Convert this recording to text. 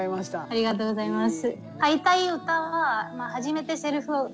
ありがとうございます。